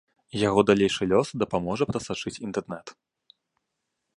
Яго далейшы лёс дапаможа прасачыць інтэрнэт.